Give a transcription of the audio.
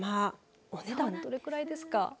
お値段どれくらいですか。